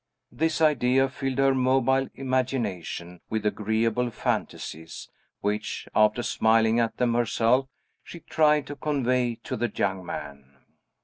This idea filled her mobile imagination with agreeable fantasies, which, after smiling at them herself, she tried to convey to the young man.